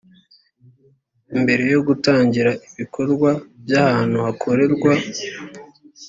mbere yo gutangira ibikorwa by ahantu hakorerwa